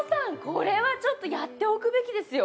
これはちょっとやっておくべきですよ